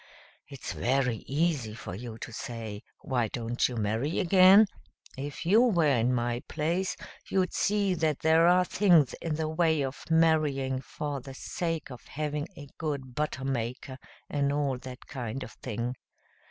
"It's very easy for you to say, 'Why don't you marry again?' If you were in my place you'd see that there are things in the way of marrying for the sake of having a good butter maker and all that kind of thing."